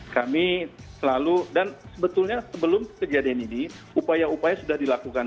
kami selalu dan sebetulnya sebelum kejadian ini upaya upaya sudah dilakukan